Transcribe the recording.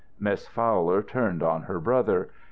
Miss Fowler turned on her brother.